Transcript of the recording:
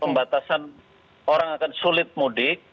pembatasan orang akan sulit mudik